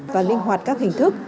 và linh hoạt các hình thức